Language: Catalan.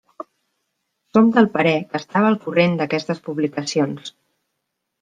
Som del parer que estava al corrent d'aquestes publicacions.